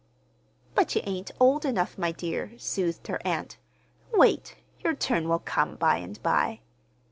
"But you ain't old enough, my dear," soothed her aunt. "Wait; your turn will come by and by."